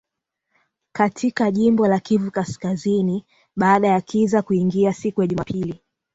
katika jimbo la Kivu kaskazini baada ya kiza kuingia siku ya Jumapili